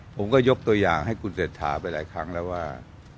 ผมก็ยกตัวอย่างให้คุณเศรษฐาไปหลายครั้งแล้วว่า